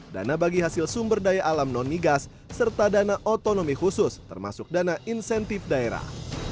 dana bagi hasil sumber daya alam non migas serta dana otonomi khusus termasuk dana insentif daerah